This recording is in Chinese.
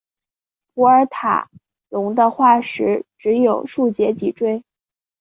普尔塔龙的化石只有数节脊椎。